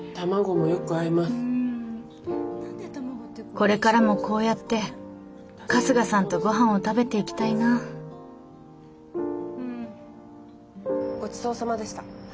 これからもこうやって春日さんとごはんを食べていきたいなごちそうさまでした。